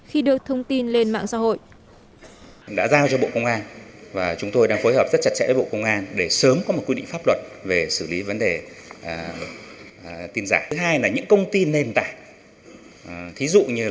khi đưa thông tin lên mạng xã hội